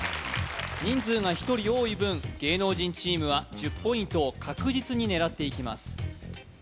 人数が１人多い分芸能人チームは１０ポイントを確実に狙っていきます